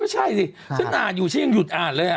ใช่ดิฉันอ่านอยู่ฉันยังหยุดอ่านเลย